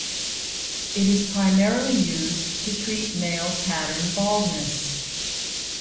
It is primarily used to treat male pattern baldness.